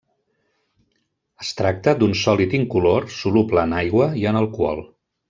Es tracta d'un sòlid incolor, soluble en aigua i en alcohol.